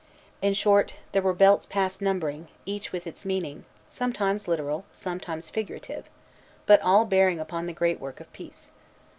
In short, there were belts past numbering, each with its meaning, sometimes literal, sometimes figurative, but all bearing upon the great work of peace.